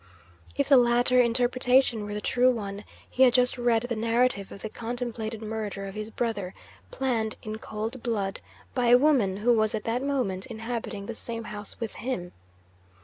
If the latter interpretation were the true one, he had just read the narrative of the contemplated murder of his brother, planned in cold blood by a woman who was at that moment inhabiting the same house with him.